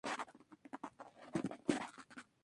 En alguna ocasión puede ocurrir hipotensión.